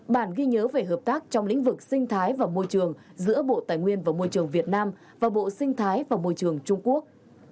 bản ghi nhớ về hợp tác trong lĩnh vực sinh thái và môi trường giữa bộ tài nguyên và môi trường việt nam và bộ sinh thái và môi trường trung quốc